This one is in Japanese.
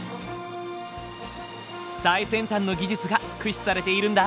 最先端の技術が駆使されているんだ。